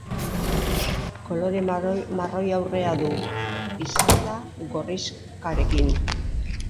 Kolore marroi-arrea du, isatsa gorrixkarekin.